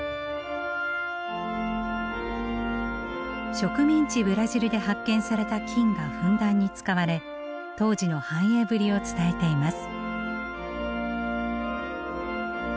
植民地ブラジルで発見された金がふんだんに使われ当時の繁栄ぶりを伝えています。